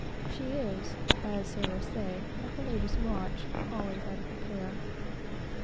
She is, as sailors say, like a lady's watch, always out of repair.